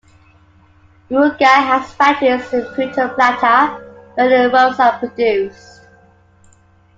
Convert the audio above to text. Brugal has factories in Puerto Plata where the rums are produced.